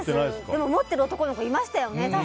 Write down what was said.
でも、持っている男の子確かにいましたよね。